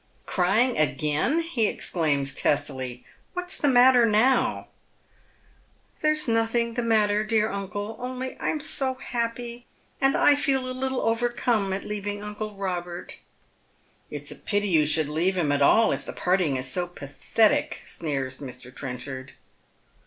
" Crying again," he exclaims testily. " What's the matter now ?"" There's nothing the matter, dear uncle. Only I'm so happy ; and I felt a little overcome at leaving uncle Robert." " It's a pity you should leave him at all if the parting is so pathetic," sneers Mr. Trenchard.